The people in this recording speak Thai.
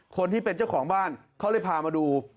คนที่เป็นเจ้าของบ้านเขาเลยพามาดู